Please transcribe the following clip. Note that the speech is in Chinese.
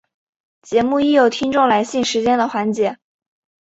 节目亦有听众来信时间的环节。